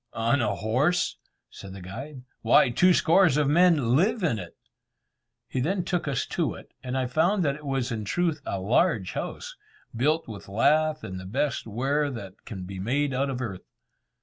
"On a horse!" said the guide, "why, two score of men live in it." He then took us to it, and I found that it was in truth a large house, built with lath and the best ware that can be made out of earth.